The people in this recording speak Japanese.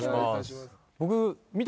僕。